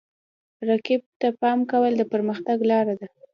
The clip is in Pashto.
رقیب ته پام کول د پرمختګ لاره ده.